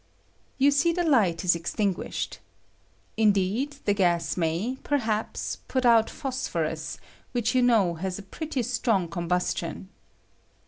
You see the light is extinguished. Indeed, the gas may, perhaps, put out phosphorus, which you know has a pretty strong combustion.